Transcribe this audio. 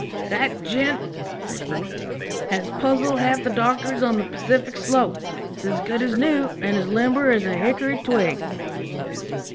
"That jint," said he, "has puzzled half the doctors on the Pacific Slope. It's as good as new, and as limber as a hickory twig."